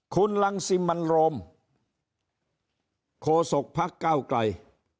คุณลังสิมบันโรมโขสกพักก้าวไกล